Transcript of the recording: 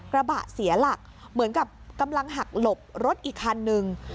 กระบะเสียหลักเหมือนกับกำลังหักหลบรถอีกคันนึง